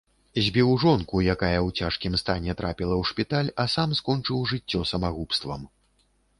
Збіў жонку, якая ў цяжкім стане трапіла ў шпіталь, а сам скончыў жыццё самагубствам.